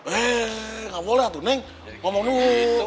eh nggak boleh tuh neng ngomong dulu